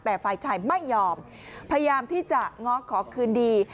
แต่ฝ่ายชายไม่ยอมพยายามที่จะง้อขอคืนดี